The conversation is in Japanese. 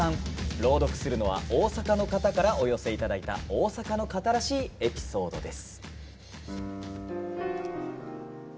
朗読するのは大阪の方からお寄せいただいた大阪の方らしいエピソードです。